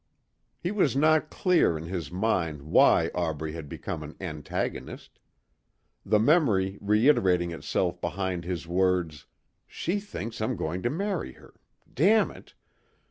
He was not clear in his mind why Aubrey had become an antagonist. The memory reiterating itself behind his words "... she thinks I'm going to marry her ... damn it...."